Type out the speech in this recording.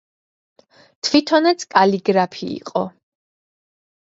თვითონაც კალიგრაფი იყო.